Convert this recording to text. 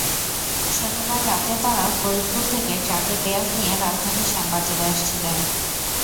শনিবার রাতে তাঁরা ফরিদপুর থেকে ট্রাকে পেঁয়াজ নিয়ে রাজধানীর শ্যামবাজারে আসছিলেন।